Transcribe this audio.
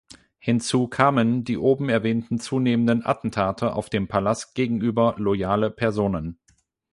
Hinzu kamen die oben erwähnten zunehmenden Attentate auf dem Palast gegenüber loyale Personen.